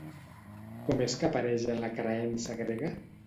Com és que apareix en la creença grega?